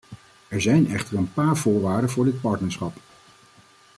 Er zijn echter een paar voorwaarden voor dit partnerschap.